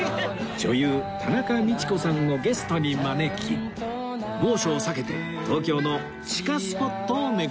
女優田中道子さんをゲストに招き猛暑を避けて東京の地下スポットを巡ります